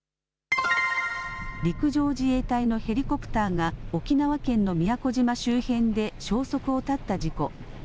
陸上自衛隊のヘリコプターが、沖縄県の宮古島周辺で消息を絶った事故。